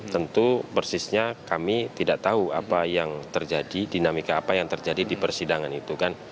tentu persisnya kami tidak tahu apa yang terjadi dinamika apa yang terjadi di persidangan itu kan